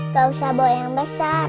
gak usah bawa yang besar